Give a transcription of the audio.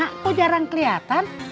kok jarang kelihatan